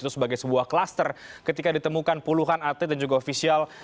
itu sebagai sebuah kluster ketika ditemukan puluhan atlet dan juga ofisial